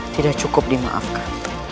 tidak cukup dimaafkan